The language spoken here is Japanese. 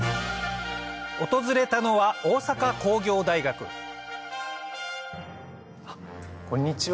訪れたのはこんにちは。